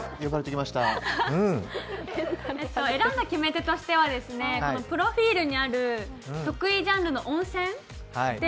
選んだ決め手としては、プロフィールにある得意ジャンルの温泉で。